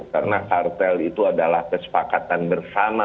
karena kartel itu adalah kesepakatan bersama